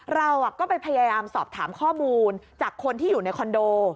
เราก็ไปพยายามสอบถามข้อมูลจากคนที่อยู่ในคอนโด